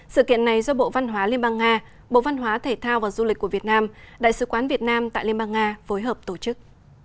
sự kiện này do bộ văn hóa liên bang nga bộ văn hóa thể thao và du lịch của việt nam đại sứ quán việt nam tại liên bang nga phối hợp tổ chức